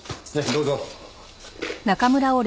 どうぞ。